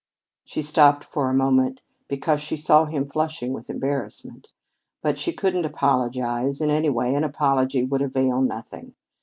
She stopped for a moment because she saw him flushing with embarrassment. Yet she couldn't apologize, and, anyway, an apology would avail nothing.